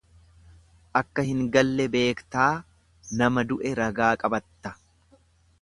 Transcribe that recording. Akka hin galle beektaa nama du'e ragaa qabatta.